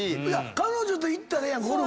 彼女と行ったらええやん。